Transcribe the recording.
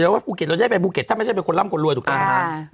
ว่าภูเก็ตเราจะได้ไปภูเก็ตถ้าไม่ใช่เป็นคนร่ำคนรวยถูกต้องไหมคะ